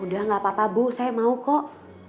udah gak papa bu saya mau kok